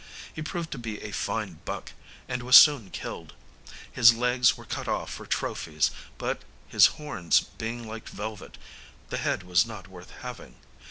He proved to be a fine buck, and was soon killed. His legs were cut off for trophies, but, his horns being like velvet, the head was not worth having.